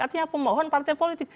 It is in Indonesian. artinya pemohon partai politik